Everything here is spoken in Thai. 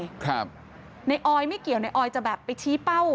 นายออยไม่เกี่ยวนายออยจะไปชี้เป้า